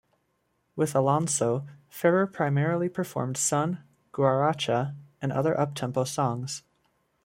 With Alonso, Ferrer primarily performed son, guaracha and other up-tempo songs.